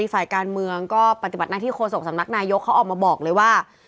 ฝ่ายการเมืองก็ปฏิบัติหน้าที่โฆษกสำนักนายกเขาออกมาบอกเลยว่า